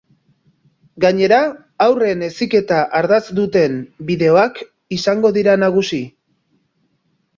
Gainera, haurren heziketa ardatz duten bideoak izango dira nagusi.